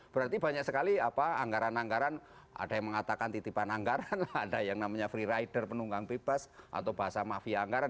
berarti banyak sekali anggaran anggaran ada yang mengatakan titipan anggaran ada yang namanya free rider penunggang bebas atau bahasa mafia anggaran